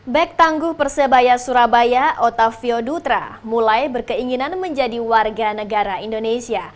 back tangguh persebaya surabaya otavio dutra mulai berkeinginan menjadi warga negara indonesia